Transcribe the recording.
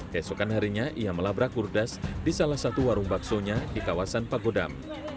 kesokan harinya ia melabrak kurdas di salah satu warung baksonya di kawasan pagodam